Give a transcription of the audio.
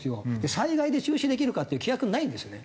災害で中止できるかっていう規約ないんですよね。